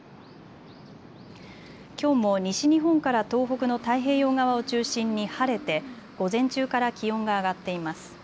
きょうも西日本から東北の太平洋側を中心に晴れて午前中から気温が上がっています。